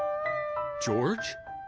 ジョージ。